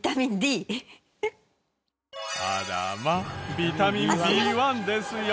あらまあビタミンＢ１ですよ。